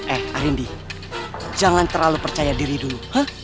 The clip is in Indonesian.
eh arindih jangan terlalu percaya diri dulu